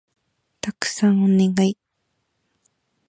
たくさんお願い